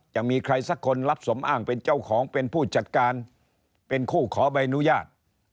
จะมีใครสักคนรับสมอ้างเป็นเจ้าของเป็นผู้จัดการเป็นคู่ขอใบอนุญาต